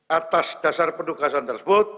atas dasar penugasan tersebut